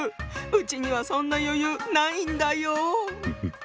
うちにはそんな余裕ないんだよ。